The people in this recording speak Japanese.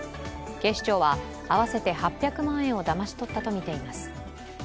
警視庁は合わせて８００万円をだまし取ったとみています。